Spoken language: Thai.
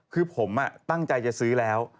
คือผมตั้งใจจะซื้อแล้ว